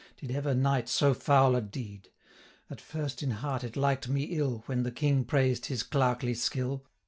Did ever knight so foul a deed! At first in heart it liked me ill, When the King praised his clerkly skill.